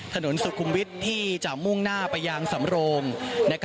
ถนนสุขุมวิทย์ที่จะมุ่งหน้าไปยังสำโรง